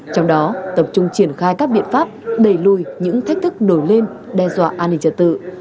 trong đó tập trung triển khai các biện pháp đẩy lùi những thách thức nổi lên đe dọa an ninh trật tự